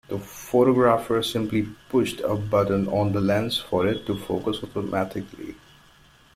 The photographer simply pushed a button on the lens for it to focus automatically.